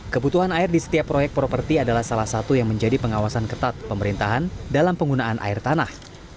kebutuhan air di setiap proyek properti adalah salah satu yang menjadi pengawasan ketat pemerintahan dalam penggunaan air tanah